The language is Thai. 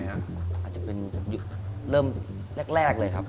อาจจะเป็นยุคเริ่มแรกเลยครับ